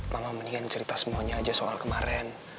mama mendingan cerita semuanya aja soal kemarin